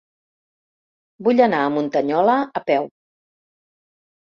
Vull anar a Muntanyola a peu.